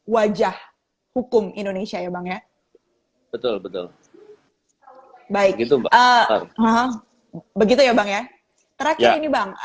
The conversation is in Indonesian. wajah hukum indonesia ya bang ya betul betul baik itu begitu ya bang ya terakhir ini bang